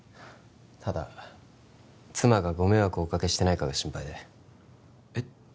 ただ妻がご迷惑をおかけしてないかが心配でえ？